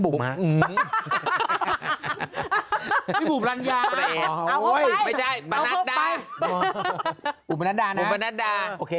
บุ๋มอ่าพี่บุ๋มรัญญาเอาไปไม่ได้บุ๋มบรรณดาโอเค